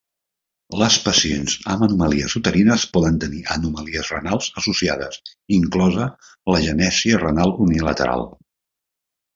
Els pacients amb anomalies uterines poden tenir anomalies renals associades, inclosa l'agenèsia renal unilateral.